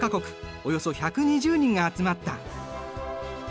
およそ１２０人が集まった。